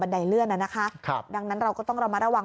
ในเลือดนะคะดังนั้นเราก็ต้องรอมาระวัง